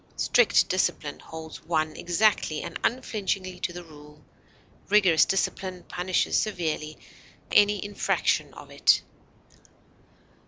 Strict discipline holds one exactly and unflinchingly to the rule; rigorous discipline punishes severely any infraction of it.